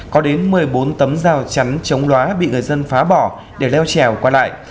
có đến một mươi bốn tấm rào chắn chống loá bị người dân phá bỏ để leo trèo qua lại